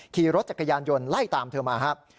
ขี่รถจักรยานยนต์ไล่ตามเธอมาครับ